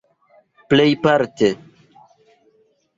plejparte